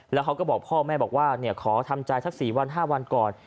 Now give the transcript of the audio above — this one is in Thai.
แล้วเขาก็บอกพ่อแม่บอกว่าขอทำใจสัก๔วัน๕วันก่อน